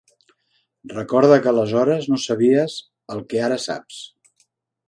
Recorda que aleshores no sabies el que ara saps.